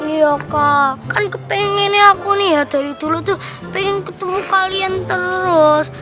iya kak kan kepengen ya aku nih ya dari dulu tuh pengen ketemu kalian terus